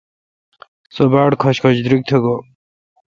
سو باڑکھچ کھچ دریگ تہ گوی۔